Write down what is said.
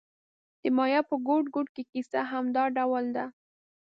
د مایا په ګوټ ګوټ کې کیسه همدا ډول ده